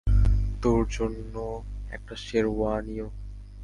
তোর জন্য একটা শেরওয়ানিও?